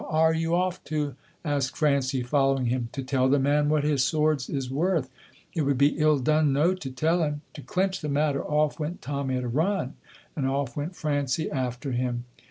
"Whaur are you off to?" asked Francie, following him. "To tell the man what his swords is worth. It would be ill done no to tell him." To clinch the matter, off went Tommy at a run, and off went Francie after him.